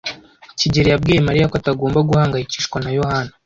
kigeli yabwiye Mariya ko atagomba guhangayikishwa na Yohana.